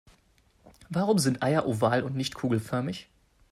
Warum sind Eier oval und nicht kugelförmig?